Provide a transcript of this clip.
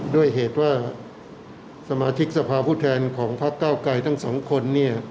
ด้วยเหตุว่าสมาชิกสภาพผู้แทนของพักเก้าไกรทั้งสองคนเนี่ย